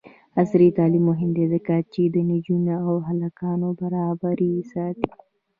عصري تعلیم مهم دی ځکه چې د نجونو او هلکانو برابري ساتي.